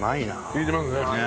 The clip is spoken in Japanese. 利いてますね。